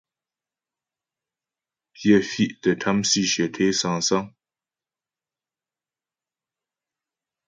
Pyə fì̀' tə́ tâm sǐshyə té sâŋsáŋ.